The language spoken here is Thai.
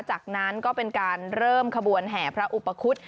จากนั้นก็เป็นการเริ่มขบวนแห่พระอุปคุฎ